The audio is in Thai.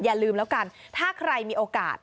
อย่าลืมแล้วกันถ้าใครมีโอกาส